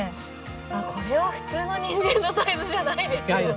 あこれは普通のニンジンのサイズじゃないですよ。